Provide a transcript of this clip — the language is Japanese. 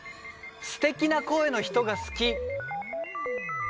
「すてきな声の人が好き」。